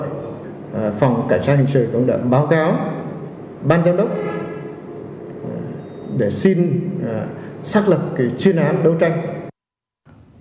phòng cảnh sát hình sự cũng đã báo cáo ban giám đốc để xin xác lập chuyên án đấu tranh